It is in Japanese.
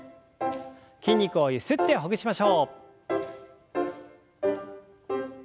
筋肉をゆすってほぐしましょう。